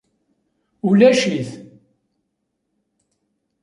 Ulac-it